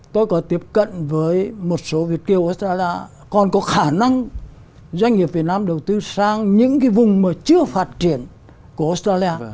tôi có tiếp cận với một số việt kiều australia còn có khả năng doanh nghiệp việt nam đầu tư sang những cái vùng mà chưa phát triển của australia